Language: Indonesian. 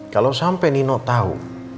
kalau sampai nino tahu